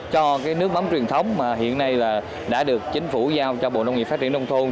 cho nước mắm truyền thống mà hiện nay đã được chính phủ giao cho bộ nông nghiệp phát triển đông thôn